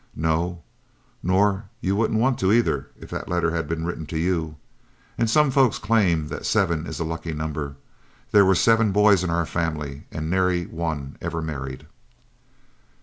"No, nor you wouldn't want to either if that letter had been written to you. And some folks claim that seven is a lucky number; there were seven boys in our family and nary one ever married."